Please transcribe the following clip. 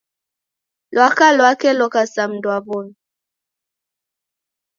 Lwaka lwake loka sa mundu wa w'omi.